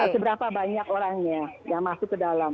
seberapa banyak orangnya yang masuk ke dalam